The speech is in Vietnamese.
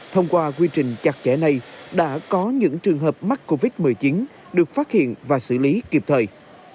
thông qua quy trình chặt chẽ này đã có những trường hợp mắc covid một mươi chín được phát hiện và xử lý kịp thời